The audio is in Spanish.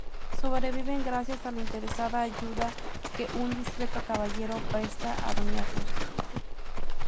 Sobreviven gracias a la interesada ayuda que un discreto caballero presta a Doña Rosa.